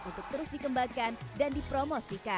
untuk terus dikembangkan dan dipromosikan